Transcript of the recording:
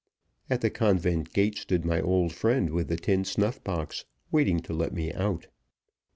At the convent gate stood my old friend with the tin snuff box, waiting to let me out.